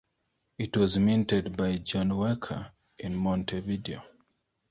It was minted by Juan Welker in Montevideo.